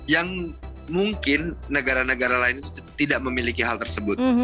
yang mungkin negara negara lain tidak memiliki hal tersebut